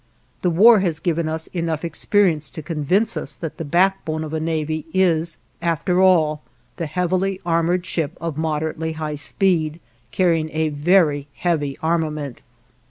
The war has given us enough experience to convince us that the backbone of a navy is, after all, the heavily armored ship of moderately high speed, carrying a very heavy armament.